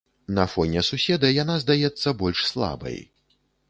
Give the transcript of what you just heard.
На фоне суседа яна здаецца больш слабай.